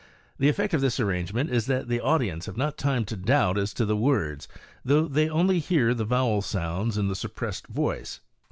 The effect of this arrangement is that the audience have not time to doubt as to the words, though they only hear the vowel sounds in the suppressed voice.